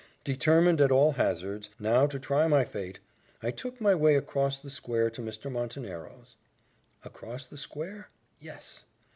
Determined, at all hazards, now to try my fate, I took my way across the square to Mr. Montenero's Across the square? yes!